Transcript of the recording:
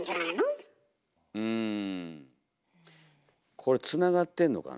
これつながってんのかな。